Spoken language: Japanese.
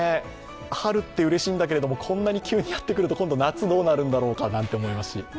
春ってうれしいんだけども、こんなに急にやってくると今度、夏どうなるんだろうか、なんて思いますし。